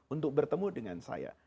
untuk bertemu dengan saya